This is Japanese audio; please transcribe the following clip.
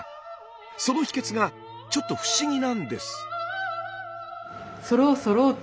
その秘けつがちょっと不思議なんです。